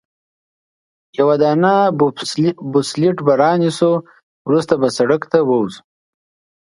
یوه دانه بوبسلیډ به رانیسو، وروسته به سړک ته ووځو.